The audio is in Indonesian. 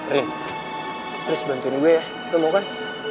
rin tris bantuin gue ya lo mau kan